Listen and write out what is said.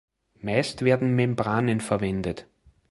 Meist werden Membranen verwendet.